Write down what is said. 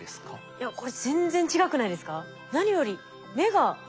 いやこれ全然違くないですか？